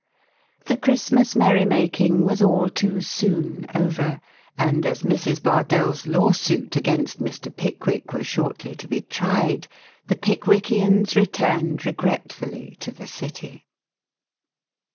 The Christmas merrymaking was all too soon over, and as Mrs. Bardell's lawsuit against Mr. Pickwick was shortly to be tried, the Pickwickians returned regretfully to the city.